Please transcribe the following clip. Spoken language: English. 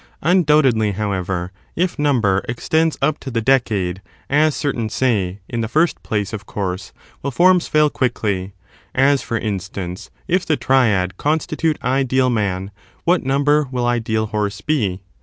Undoubtedly, however, if number extends up to the decade^ as certain say, in the first place, of course, will forms fiul quickly ; as, for instance, if the triad constitute ideal man, what number will ideal horse be?